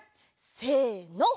せの！